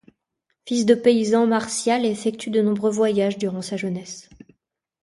Fils de paysan Martial effectue de nombreux voyages durant sa jeunesse.